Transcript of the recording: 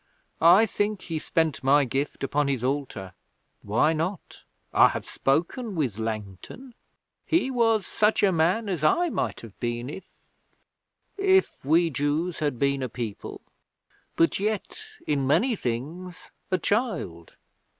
I think he spent my gift upon his altar. Why not? I have spoken with Langton. He was such a man as I might have been if if we Jews had been a people. But yet, in many things, a child.